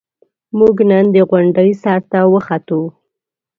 موږ نن د غونډۍ سر ته وخوتو.